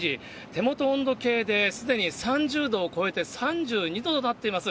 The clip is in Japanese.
手元温度計ですでに３０度を超えて３２度となっています。